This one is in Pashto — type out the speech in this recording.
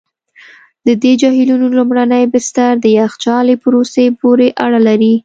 د دې جهیلونو لومړني بستر د یخچالي پروسې پورې اړه لري.